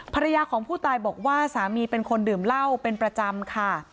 ภรรยาของผู้ตายบอกว่าสามีเป็นคนดื่มเหล้าเป็นประจำค่ะ